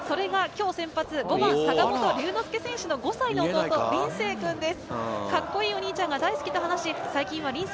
それが今日の先発、５番・坂本龍之介選手の５歳の弟・りゅうせい君です。